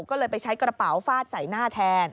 ก็เลยไปใช้กระเป๋าฟาดใส่หน้าแทน